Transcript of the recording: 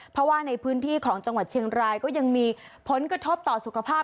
เพราะว่าในพื้นที่ของจังหวัดเชียงรายก็ยังมีผลกระทบต่อสุขภาพ